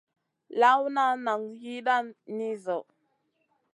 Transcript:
Lawna nan yiidan ni zo.